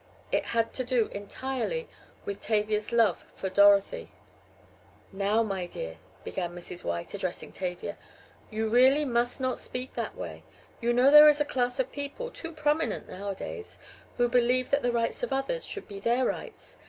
It had to do entirely with Tavia's love for Dorothy. "Now, my dear," began Mrs. White, addressing Tavia, "you really must not speak that way. You know there is a class of people, too prominent nowadays, who believe that the rights of others should be their rights.